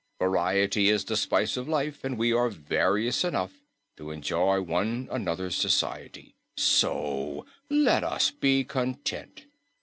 Variety is the spice of life, and we are various enough to enjoy one another's society; so let us be content."